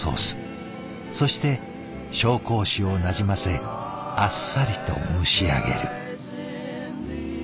そして紹興酒をなじませあっさりと蒸し上げる。